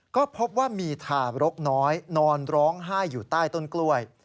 ก็พบว่ามีทารกน้อยนอนร้องไห้อยู่ใต้ต้นกล้วย